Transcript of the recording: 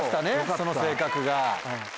その性格が。